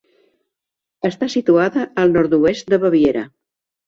Està situada al nord-oest de Baviera.